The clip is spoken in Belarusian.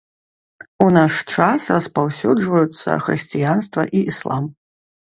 У наш час распаўсюджваюцца хрысціянства і іслам.